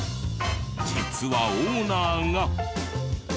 実はオーナーが。